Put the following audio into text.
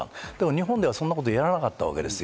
日本ではそんなことをやらなかった。